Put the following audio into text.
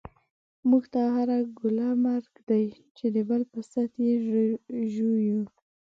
موږ ته هره ګوله مرګ دی، چی دبل په ست یی ژوویو